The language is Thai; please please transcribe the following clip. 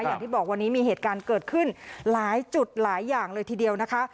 อย่างที่บอกวันนี้มีเหตุการณ์เกิดขึ้นหลายจุดหลายอย่างเลยทีเดียวนะคะ